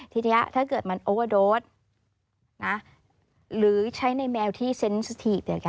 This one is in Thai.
ทีนี้ถ้าเกิดมันโอเวอร์โดสหรือใช้ในแมวที่เซ็นสถีป